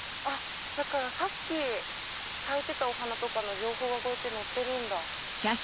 さっき咲いてたお花とかの情報がこうやって載ってるんだ。